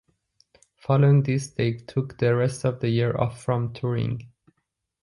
Following this they took the rest of the year off from touring.